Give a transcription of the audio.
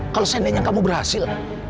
kalau saya nanya kamu berhasil